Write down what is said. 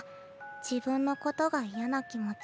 自分のことが嫌な気持ち。